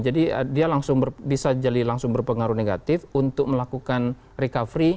jadi dia langsung bisa jadi langsung berpengaruh negatif untuk melakukan recovery